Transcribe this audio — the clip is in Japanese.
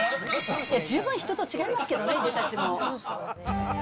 十分人と違いますけどね、いでたちも。